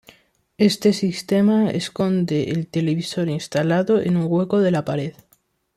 Este sistema esconde el televisor instalado en un hueco de la pared.